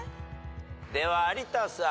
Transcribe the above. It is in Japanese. では有田さん。